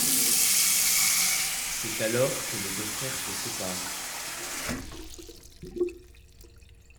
C'est alors que les deux frères se séparent.